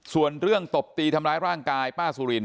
ส่วนเรื่องตบตีทำร้ายร่างกายป้าสุริน